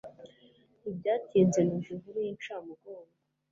ntibyatinze numva inkuru y'incamugogo